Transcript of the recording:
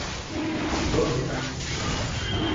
Был мин